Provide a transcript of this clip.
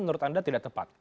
menurut anda tidak tepat